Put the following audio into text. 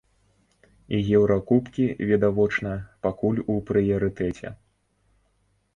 І еўракубкі, відавочна, пакуль у прыярытэце.